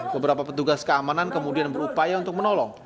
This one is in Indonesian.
beberapa petugas keamanan kemudian berupaya untuk menolong